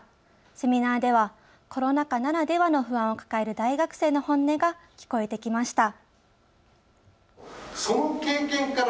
セミナーではコロナ禍ならではの不安を抱える大学生の本音が聞こえてきました。